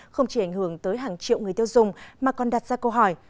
không chỉ ảnh hưởng tới hàng triệu người tiêu dùng mà còn đặt ra câu hỏi